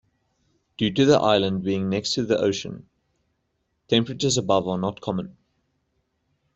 Due to the island being next to the ocean, temperatures above are not common.